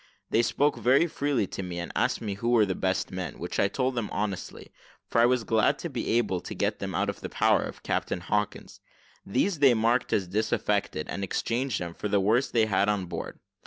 They spoke very freely to me, and asked me who were the best men, which I told them honestly, for I was glad to be able to get them out of the power of Captain Hawkins: these they marked as disaffected, and exchanged them for all the worst they had on board.